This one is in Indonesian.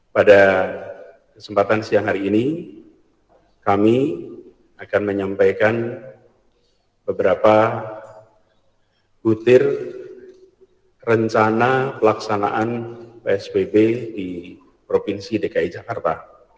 pada kesempatan siang hari ini kami akan menyampaikan beberapa butir rencana pelaksanaan psbb di provinsi dki jakarta